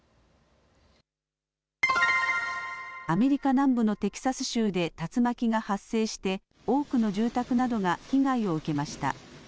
アメリカ南部のテキサス州で竜巻が発生して多くの住宅などが被害を受けました。